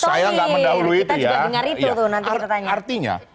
saya gak mendahului itu ya